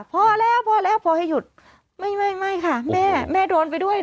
พอแล้วพอแล้วพอให้หยุดไม่ไม่ค่ะแม่แม่โดนไปด้วย